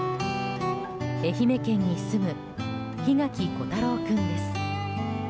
愛媛県に住む檜垣虎太郎君です。